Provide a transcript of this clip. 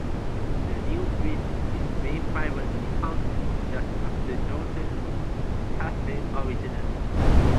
The new bridge is being privatlely funded just as the Jordon had been originally.